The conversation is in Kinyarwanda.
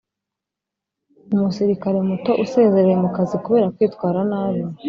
Umusirikare Muto usezerewe mu kazi kubera kwitwara nabi